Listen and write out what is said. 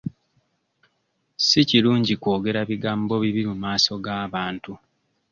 Si kirungi kwogera bigambo bibi mu maaso g'abantu.